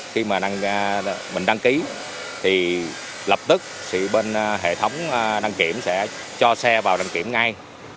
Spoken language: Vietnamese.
khi mà mình đăng ký thì lập tức thì bên hệ thống đăng kiểm sẽ cho xe vào đăng kiểm ngay